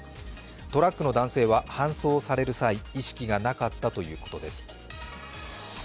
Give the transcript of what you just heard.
トラックの男性は搬送される際、意識がなかったということです。